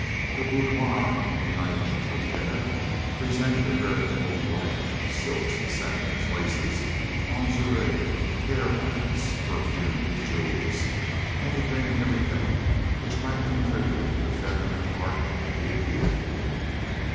Her boudoir on the night of the dinner presented a veritable riot of silks, satins, laces, lingerie, hair ornaments, perfumes, jewels—anything and everything which might contribute to the feminine art of being beautiful.